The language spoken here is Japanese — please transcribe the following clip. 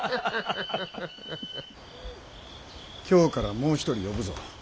京からもう一人呼ぶぞ。